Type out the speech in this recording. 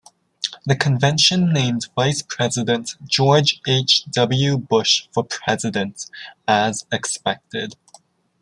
The convention nominated Vice President George H. W. Bush for President, as expected.